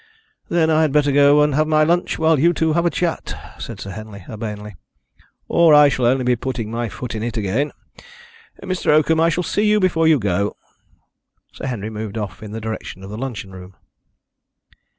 "Then I had better go and have my lunch while you two have a chat," said Sir Henry urbanely, "or I shall only be putting my foot in it again. Mr. Oakham, I shall see you before you go." Sir Henry moved off in the direction of the luncheon room.